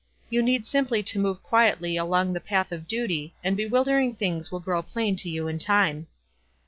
You need simply to move quietly along in the path of duty, and bewilder ing things will grow plain to you in time."